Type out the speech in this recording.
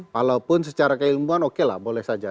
walaupun secara keilmuan oke lah boleh saja